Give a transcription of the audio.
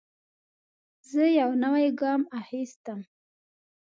زه یو نوی ګام اخیستم.